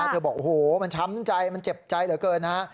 เธอบอกโอ้โหมันช้ำใจมันเจ็บใจเหลือเกินนะฮะ